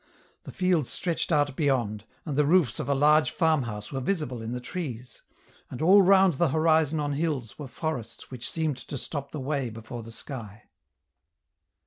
The fields stretched out beyond, and the roofs of a large farmhouse were visible in the trees, and all round the horizon on hills were forests which seemed to stop the way before the sky.